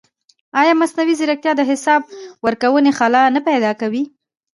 ایا مصنوعي ځیرکتیا د حساب ورکونې خلا نه پیدا کوي؟